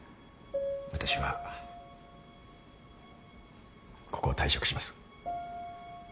私はここを退職します。